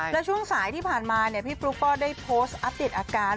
แล้วช่วงสายที่ผ่านมาพี่ฟลุ๊กก็ได้โพสต์อัปเดตอาการ